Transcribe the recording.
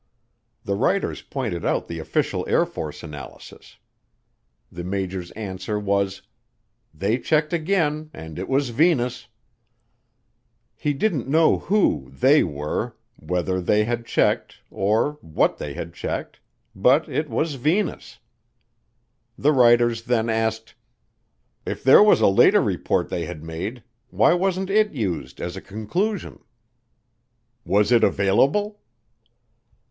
The writers pointed out the official Air Force analysis. The major's answer was, "They checked again and it was Venus." He didn't know who "they" were, where they had checked, or what they had checked, but it was Venus. The writers then asked, "If there was a later report they had made why wasn't it used as a conclusion?" "Was it available?"